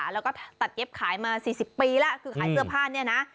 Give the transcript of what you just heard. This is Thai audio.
แล้วก็ตัดเย็บขายมา๔๐ปีแล้วคือขายเสื้อผ้าเนี่ยนะ